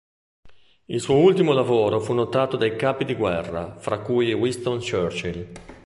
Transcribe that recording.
Il suo ultimo lavoro fu notato dai capi di guerra, fra cui Winston Churchill.